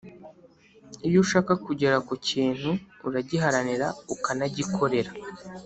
Iyo ushaka kugera kukintu uragiharanira ukanagikorera